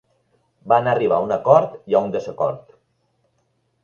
Van arribar a un acord i a un desacord.